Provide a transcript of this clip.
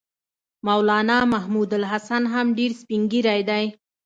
مولنا محمودالحسن هم ډېر سپین ږیری دی.